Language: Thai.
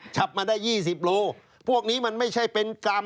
จับมาได้๒๐โลพวกนี้มันไม่ใช่เป็นกรรม